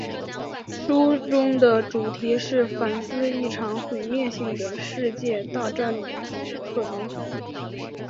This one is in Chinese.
书中的主题是反思一场毁灭性的世界大战之可能。